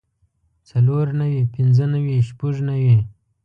څلور نوي پنځۀ نوي شپږ نوي